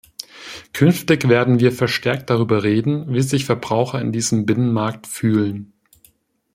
Künftig werden wir verstärkt darüber reden, wie sich Verbraucher in diesem Binnenmarkt fühlen.